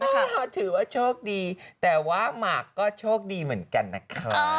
ก็ถือว่าโชคดีแต่ว่าหมากก็โชคดีเหมือนกันนะคะ